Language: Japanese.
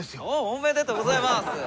おめでとうございます。